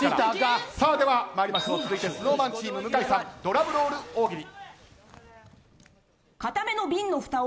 続いてＳｎｏｗＭａｎチームドラムロール大喜利。